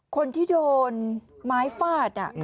คนที่โดนไม้ฟาด